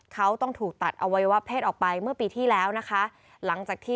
เขาต้องถูกตัดอวัยวะเพศออกไปเมื่อปีที่แล้วนะคะหลังจากที่